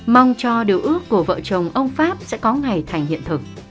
mong cho điều ước của vợ chồng ông pháp sẽ có ngày thành hiện thực